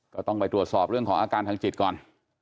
ก็ต้องไปตรวจสอบเรื่องของอาการทางจิตก่อน